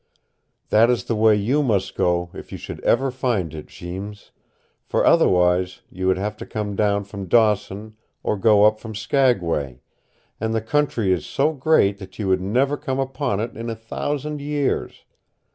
That is the way YOU must go if you should ever find it, Jeems, for otherwise you would have to come down from Dawson or up from Skagway, and the country is so great that you would never come upon it in a thousand years.